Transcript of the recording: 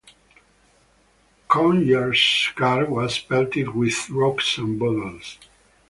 Conyers' car was pelted with rocks and bottles.